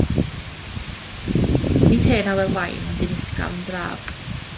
Nid hen awel fain, ond un ysgafn braf.